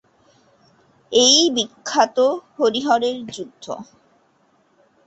এই-ই বিখ্যাত হরি-হরের যুদ্ধ।